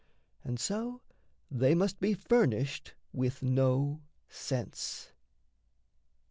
And so they must be furnished with no sense.